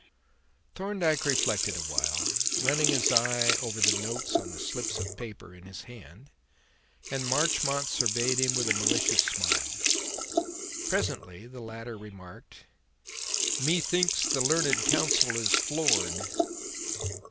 Thorndyke reflected a while, running his eye over the notes on the slips of paper in his hand, and Marchmont surveyed him with a malicious smile. Presently the latter remarked: "Methinks the learned counsel is floored."